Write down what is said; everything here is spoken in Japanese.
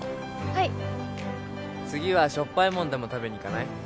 はい次はしょっぱいもんでも食べに行かない？